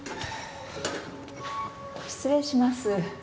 失礼します。